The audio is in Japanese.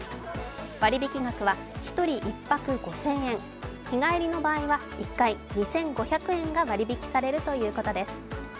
割引額は１人１泊５０００円、日帰りの場合は１回２５００円が割引されるということです。